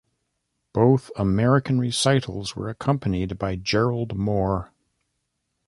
Both American recitals were accompanied by Gerald Moore.